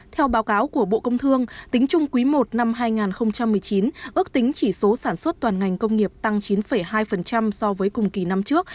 theo báo cáo của bộ công thương tính chung quý i năm hai nghìn một mươi chín ước tính chỉ số sản xuất toàn ngành công nghiệp tăng chín hai so với cùng kỳ năm trước